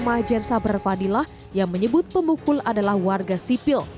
ajayen sabar fadilah yang menyebut pemukul adalah warga sipil